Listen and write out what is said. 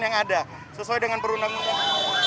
yang ada sesuai dengan perundang undang